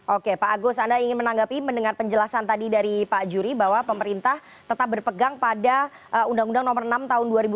oke pak agus anda ingin menanggapi mendengar penjelasan tadi dari pak juri bahwa pemerintah tetap berpegang pada undang undang nomor enam tahun dua ribu dua puluh